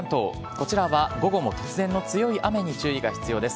こちらは午後も突然の強い雨に注意が必要です。